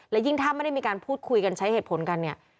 และยิ่งถ้าไม่ได้มีการพูดคุยกันใช้เหตุผลกันเนี่ย